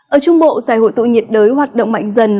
ở trung bộ giải hội tụ nhiệt đới hoạt động mạnh dần